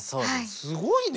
すごいね。